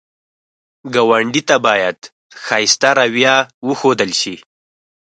ګاونډي ته باید ښایسته رویه وښودل شي